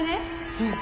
うん。